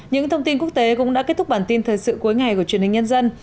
những thông tin quốc tế cũng đã kết thúc bản tin thời sự cuối ngày của truyền hình nhân dân